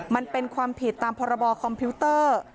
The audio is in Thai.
มันเป็นความผิดตามพรบคอมพิวเตอร์